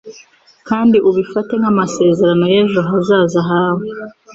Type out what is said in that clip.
kandi ubifate nk'amasezerano y'ejo hazaza hawe.